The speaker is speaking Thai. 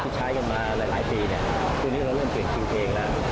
ใช้กันมาหลายปีนี้เราเริ่มเปลี่ยนชื่อเพลงแล้ว